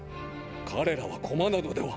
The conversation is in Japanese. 彼らは駒などでは。